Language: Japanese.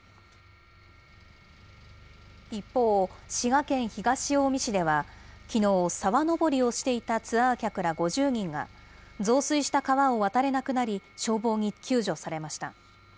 一方、滋賀県東近江市では、きのう、沢登りをしていたツアー客ら５０人が、増水した川を渡れなくなり、消防に救助されました。